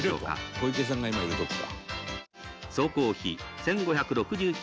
「小池さんが今いるとこだ」